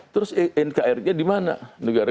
terus nkrg di mana